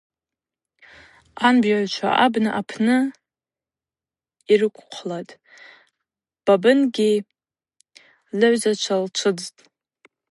Анбжьагӏвчва абна апны йрыквхъвлатӏ, Бабынагьи лыгӏвзачва лчвыдзтӏ.